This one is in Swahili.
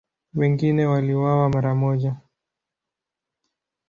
Wengine waliuawa mara moja.